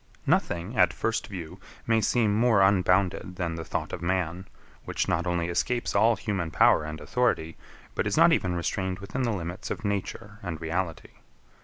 13. Nothing, at first view, may seem more unbounded than the thought of man, which not only escapes all human power and authority, but is not even restrained within the limits of nature and reality.